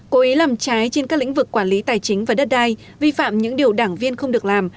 cố ý làm trái trên các lĩnh vực quản lý tài chính và đất đai vi phạm những điều đảng viên không được làm